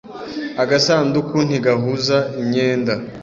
Agasanduku ntigahuza imyenda.